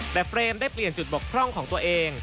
แต่เฟรมได้เปลี่ยนจุดบกพร่องของตัวเอง